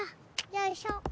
よいしょ。